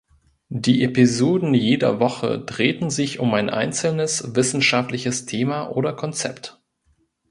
Die Episoden jeder Woche drehten sich um ein einzelnes wissenschaftliches Thema oder Konzept.